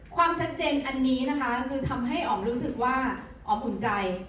ความชัดเจนอันนี้นะคะคือทำให้อ๋อมรู้สึกว่าอ๋อมอุ่นใจ